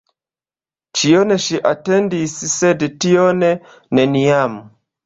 Ĉion ŝi atendis, sed tion — neniam.